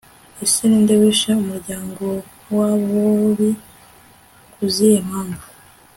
ese ninde wishe umuryango wa bobi, kuzihe mpamvu!